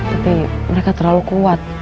tapi mereka terlalu kuat